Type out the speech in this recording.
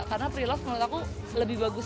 karena prelove menurut aku lebih bagus